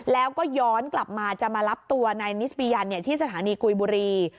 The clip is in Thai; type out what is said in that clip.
แล้วก็ย้อนกลับมาจะมารับตัวนายนิสปียันที่สถานีกุยบุรี